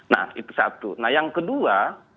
nah itu satu nah yang kedua